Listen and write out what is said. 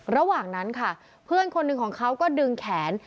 ระหว่างนั้นค่ะเพื่อนคนหนึ่งของเขาก็ดึงแขน